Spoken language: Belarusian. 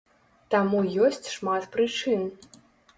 Таму ёсць шмат прычын.